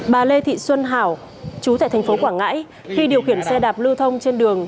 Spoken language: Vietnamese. bà lê thị xuân hảo chú tại thành phố quảng ngãi khi điều khiển xe đạp lưu thông trên đường